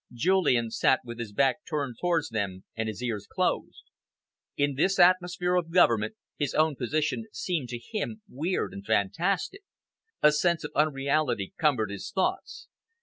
Julian sat with his back turned towards them and his ears closed. In this atmosphere of government, his own position seemed to him weird and fantastic. A sense of unreality cumbered his thoughts.